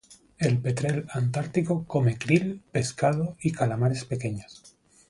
El petrel antártico come krill, pescado, y calamares pequeños.